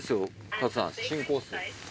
加藤さん新コース。